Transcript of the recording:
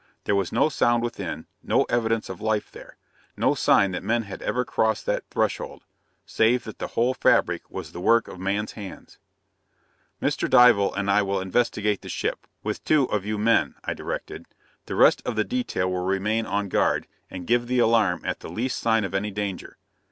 There was no sound within, no evidence of life there, no sign that men had ever crossed that threshold, save that the whole fabric was the work of man's hands. "Mr. Dival and I will investigate the ship, with two of you men," I directed. "The rest of the detail will remain on guard, and give the alarm at the least sign of any danger.